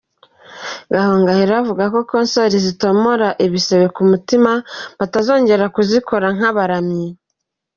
Gahongayire avuga ko 'concert zitomora ibisebe ku mutima batazongera kuzikora nk'abaramyi'.